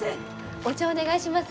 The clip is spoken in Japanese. お茶お願いします。